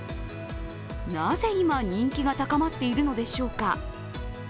なぜ今、人気が高まっているのでしょうか。